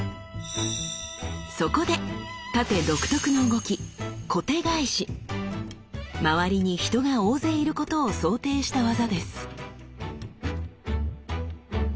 そこで殺陣独特の動き周りに人が大勢いることを想定した技です。